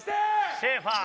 シェーファー。